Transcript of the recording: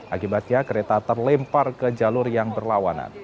akibatnya kereta terlempar ke jalur yang berlawanan